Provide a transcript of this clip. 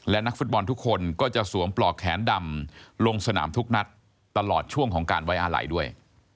และนักฟุตบอลทุกคนก็จะสวมปลอกแขนดำลงสนามทุกนัดตลอดช่วงของการไว้อาลัยด้วย